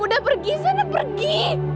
udah pergi sana pergi